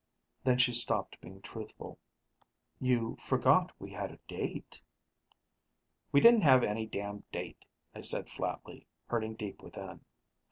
Then she stopped being truthful: "You forget we had a date " "We didn't have any damned date," I said flatly, hurting deep within.